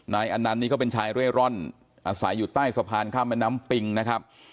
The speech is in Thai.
อันนั้นนี่ก็เป็นชายเร่ร่อนอาศัยอยู่ใต้สะพานข้ามแม่น้ำปิงนะครับ